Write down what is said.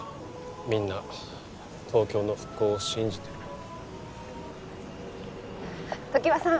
みんな東京の復興を信じてる常盤さん